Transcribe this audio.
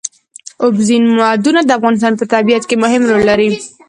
اوبزین معدنونه د افغانستان په طبیعت کې مهم رول لري.